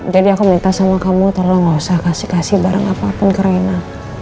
jadi aku minta sama kamu tolong nggak usah kasih kasih barang apapun ke rena